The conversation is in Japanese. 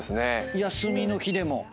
休みの日でも？